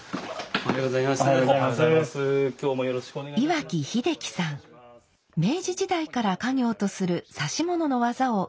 明治時代から家業とする指物の技を受け継いでいます。